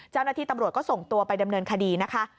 เจ้าหน้าที่ตำรวจก็ส่งตัวไปดำเนินคดีนะคะ